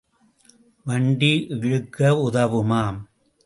வண்டி இழுக்க உதவுமாம்.